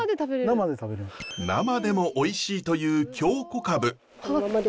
生でもおいしいという京こかぶ。